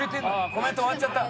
「コメント終わっちゃった」